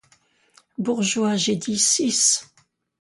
Bourgeois, j’ai dit six.